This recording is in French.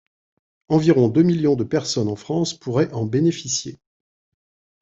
Environ deux millions de personnes en France pourraient en bénéficier.